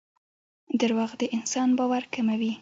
دراوغ دانسان باور کموي